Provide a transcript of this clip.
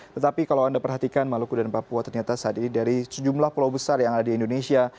tetapi kalau anda perhatikan maluku dan papua ternyata saat ini dari sejumlah pulau besar yang ada di indonesia